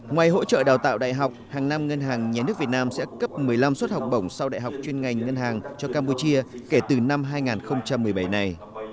ngoài hỗ trợ đào tạo đại học hàng năm ngân hàng nhé nước việt nam sẽ cấp một mươi năm suất học bổng sau đại học chuyên ngành ngân hàng cho campuchia kể từ năm hai nghìn một mươi bảy này